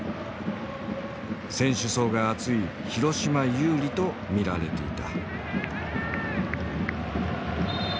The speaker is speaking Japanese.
選手層が厚い広島有利と見られていた。